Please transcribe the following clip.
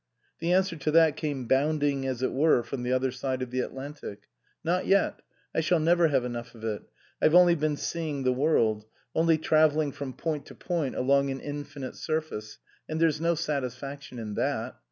The answer to that came bounding, as it were, from the other side of the Atlantic. " Not yet. I shall never have enough of it. I've only been 'seeing the world,' only travelling from point to point along an infinite surface, and there's no satisfaction in that.